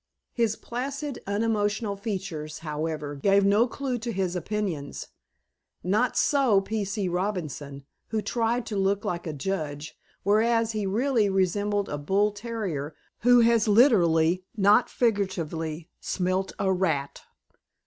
His placid, unemotional features, however, gave no clew to his opinions. Not so P. C. Robinson, who tried to look like a judge, whereas he really resembled a bull terrier who has literally, not figuratively, smelt a rat.